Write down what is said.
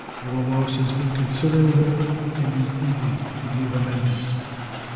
Our loss has been considerable, and is deeply to be lamented.